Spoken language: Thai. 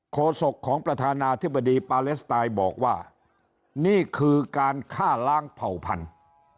โศกของประธานาธิบดีปาเลสไตน์บอกว่านี่คือการฆ่าล้างเผ่าพันธุ์